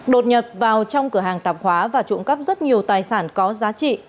đột nhập vào trong cửa hàng tạp hóa và trộm cắp rất nhiều tài sản có giá trị